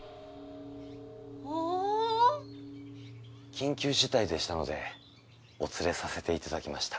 緊急事態でしたのでお連れさせていただきました。